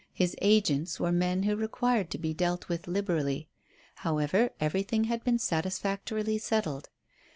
His agents were men who required to be dealt with liberally. However, everything had been satisfactorily settled.